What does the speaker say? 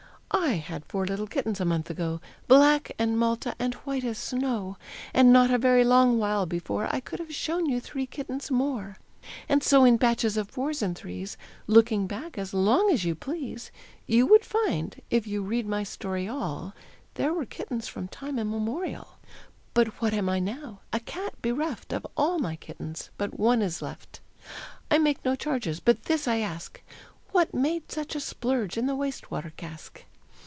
I had four little kittens a month ago Black, and Malta, and white as snow; And not a very long while before I could have shown you three kittens more. And so in batches of fours and threes, Looking back as long as you please, You would find, if you read my story all, There were kittens from time immemorial. "But what am I now? A cat bereft, Of all my kittens, but one is left. I make no charges, but this I ask, What made such a splurge in the waste water cask?